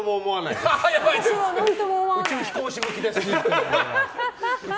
宇宙飛行士向きです。